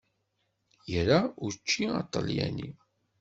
Ira učči aṭalyani.